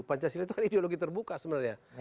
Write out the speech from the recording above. pancasila itu kan ideologi terbuka sebenarnya